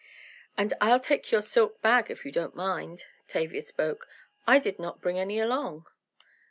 "And I'll take your silk bag if you don't mind," Tavia spoke. "I did not bring any along."